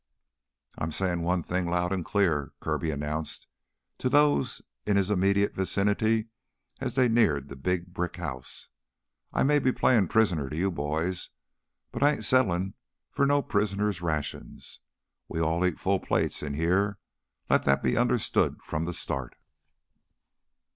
"I'm sayin' one thing loud an' clear," Kirby announced to those in his immediate vicinity as they neared a big brick house. "I may be playin' prisoner to you boys, but I ain't settlin' for no prisoner's rations. We all eat full plates in heah, let that be understood from the start."